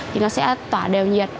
thì nó sẽ tỏa đều nhiệt